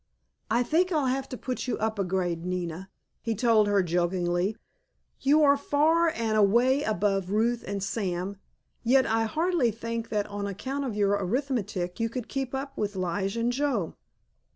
"I think I'll have to put you up a grade, Nina," he told her jokingly. "You are far and away beyond Ruth and Sam, yet I hardly think that on account of your arithmetic you could keep up with Lige and Joe."